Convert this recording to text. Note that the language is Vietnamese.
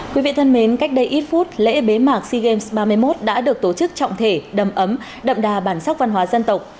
quý vị thân mến cách đây ít phút lễ bế mạc sea games ba mươi một đã được tổ chức trọng thể đầm ấm đậm đà bản sắc văn hóa dân tộc